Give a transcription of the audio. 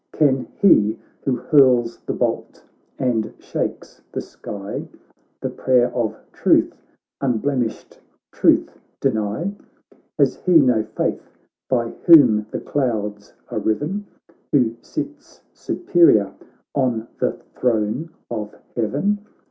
Can he who hurls the bolt and shakes the sky The prayer of truth, unblemished truth, deny? Has he no faith by whom the clouds are riven, Who sits superior on the throne of heaven?